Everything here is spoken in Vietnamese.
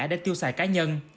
để tiêu xài cá nhân